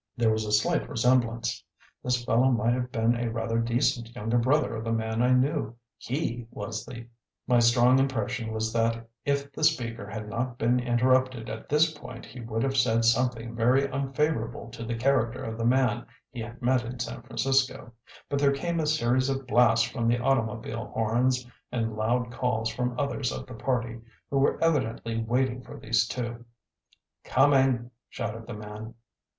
There was a slight resemblance. This fellow might have been a rather decent younger brother of the man I knew. HE was the " My strong impression was that if the speaker had not been interrupted at this point he would have said something very unfavourable to the character of the man he had met in San Francisco; but there came a series of blasts from the automobile horns and loud calls from others of the party, who were evidently waiting for these two. "Coming!" shouted the man.